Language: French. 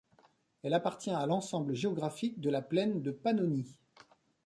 Elle appartient à l'ensemble géographique de la plaine de Pannonie.